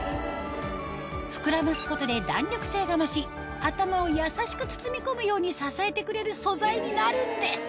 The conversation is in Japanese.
膨らますことで弾力性が増し頭を優しく包み込むように支えてくれる素材になるんです